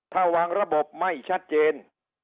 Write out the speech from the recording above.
ถ้าวางระบบไม่ชัดเจน